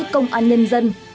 công an nhân dân